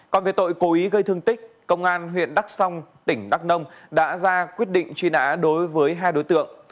còn về tội cố ý gây thương tích công an huyện đắc xom tỉnh đắc nông đã ra quyết định truy nã đối với hai đối tượng